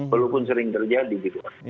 walaupun sering terjadi gitu